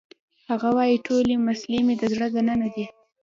هغه وایی ټولې مسلې مې د زړه دننه دي